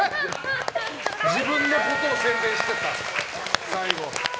自分のことを宣伝してった最後。